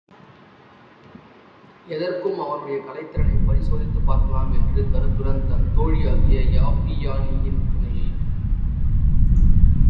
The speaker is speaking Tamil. எதற்கும் அவனுடைய கலைத்திறனைப் பரிசோதித்துப் பார்க்கலாம் என்ற கருத்துடன் தன் தோழியாகிய யாப்பியாயினியின் துணையை அதற்காக நாடினாள்.